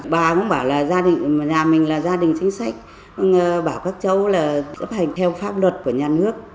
bà cũng bảo là nhà mình là gia đình chính sách bảo các châu là giúp hành theo pháp luật của nhà nước